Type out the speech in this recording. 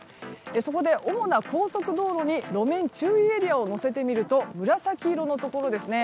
そこで主な高速道路に路面注意エリアを載せてみると紫色のところですね。